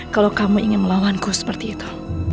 kalau kamu ingin melawanku seperti itu